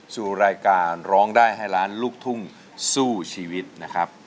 สู่รายการร้องได้ให้ล้านลูกทุ่งสู้ชีวิตนะครับ